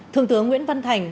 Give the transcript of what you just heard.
thường thướng nguyễn văn thành